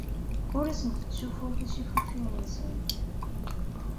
Ur asent-ttcuffuɣ ticifufin-nsent.